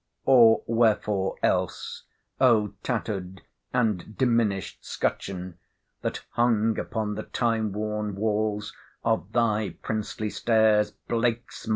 Or wherefore, else, O tattered and diminished 'Scutcheon that hung upon the time worn walls of thy princely stairs, BLAKESMOOR!